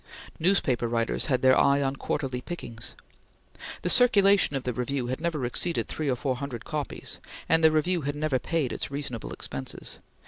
Newspaper writers had their eye on quarterly pickings. The circulation of the Review had never exceeded three or four hundred copies, and the Review had never paid its reasonable expenses.